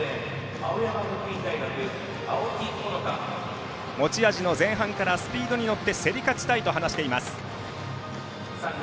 青木穂花、持ち味の前半からスピードに乗って競り勝ちたいと話しています。